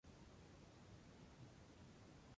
Varios países establecieron sus consulados en Hakodate.